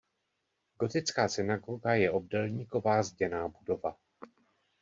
Gotická synagoga je obdélníková zděná budova.